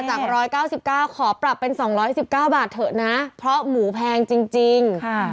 ๑๙๙ขอปรับเป็น๒๑๙บาทเถอะนะเพราะหมูแพงจริง